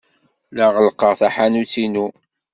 La ɣellqeɣ taḥanut-inu.